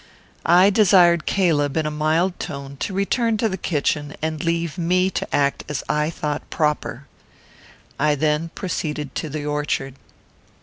I desired Caleb, in a mild tone, to return to the kitchen, and leave me to act as I thought proper. I then proceeded to the orchard.